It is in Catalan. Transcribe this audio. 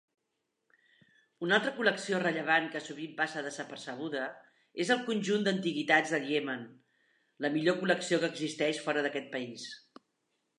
Una altra col·lecció rellevant que sovint passa desapercebuda és el conjunt d'antiguitats del Iemen, la millor col·lecció que existeix fora d'aquest país.